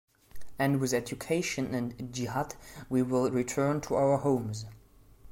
And with education and Jihad we will return to our homes!